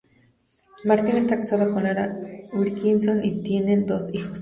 Martin está casado con Laura Wilkinson y tienen dos hijos.